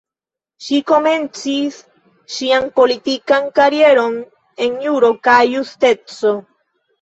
Ŝi komencis ŝian politikan karieron en Juro kaj Justeco.